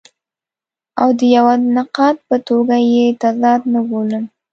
او د یوه نقاد په توګه یې تضاد نه بولم.